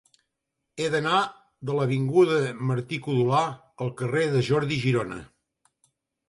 He d'anar de l'avinguda de Martí-Codolar al carrer de Jordi Girona.